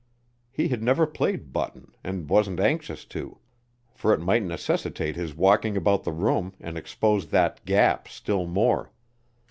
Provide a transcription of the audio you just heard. He had never played button and wasn't anxious to, for it might necessitate his walking about the room and expose that gap still more.